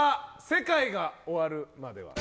「世界が終るまでは」